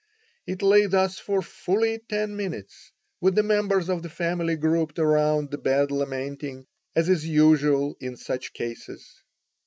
It lay thus for fully ten minutes, with the members of the family grouped around the bed lamenting, as is usual in such cases.